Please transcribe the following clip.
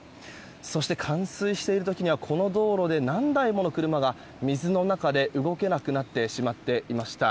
そして、冠水している時にはこの道路で何台もの車が水の中で動けなくなってしまっていました。